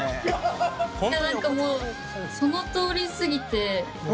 何かもうそのとおりすぎて。